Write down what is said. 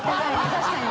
確かに。